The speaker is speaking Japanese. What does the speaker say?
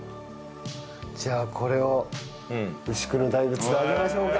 じゃあこれを牛久の大仏であげましょうか。